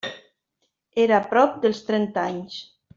Era a prop dels trenta anys.